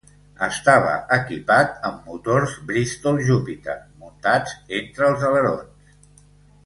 Estava equipat amb motors Bristol Jupiter muntats entre els alerons.